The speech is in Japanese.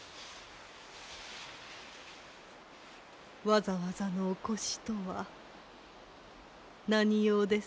わざわざのお越しとは何用ですか？